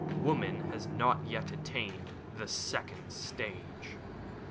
Woman has not yet attained the second stage."